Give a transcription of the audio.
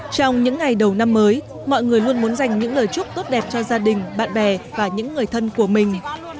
trong những ngày đầu năm mới mọi người luôn muốn dành những lời chúc tốt đẹp cho gia đình bạn bè và những người thân của mình